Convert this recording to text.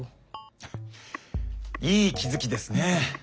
いい気付きですね。